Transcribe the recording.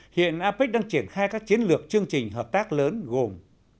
hiện apec đang triển khai các chiến lược chương trình hợp tác lớn gồm